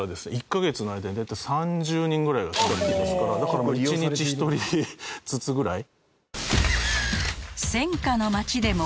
１カ月の間に大体３０人ぐらいが来たっていいますからだから１日１人ずつぐらい。